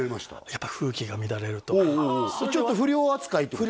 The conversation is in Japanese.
やっぱ風紀が乱れるとちょっと不良扱いってこと？